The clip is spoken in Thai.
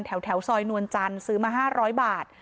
แถวซอยนวลจันทร์ซื้อมา๕๐๐บาท